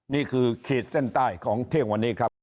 นี่คือเขตเส้นใต้ของเท่าวันนี้ครับ